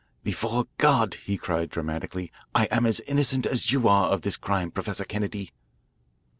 "Before God," he cried dramatically, "I am as innocent as you are of this crime, Professor Kennedy."